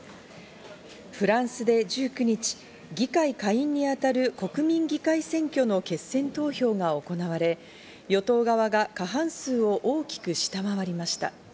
フランスで１９日、議会下院に当たる国民議会選挙の決選投票が行われ、与党側が過半数を大きく下回りました。